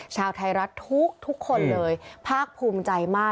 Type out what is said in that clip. ชาวไทยรัฐทุกคนเลยภาคภูมิใจมาก